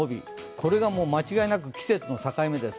これがもう間違いなく季節の境目です。